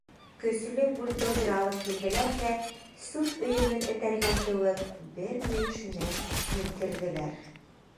Көслө бульдозер алып килделәр ҙә, сүп өйөмөн этәргән кеүек, бер мөйөшөнән «һөҙҙөрҙөләр».